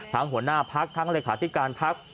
หัวหน้าพักทั้งเลขาธิการพัก